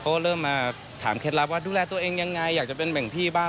ก็เริ่มมาถามเคล็ดลับว่าดูแลตัวเองยังไงอยากจะเป็นแบ่งพี่บ้าง